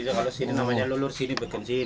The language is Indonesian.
kalau sini namanya lulur sini bikin sini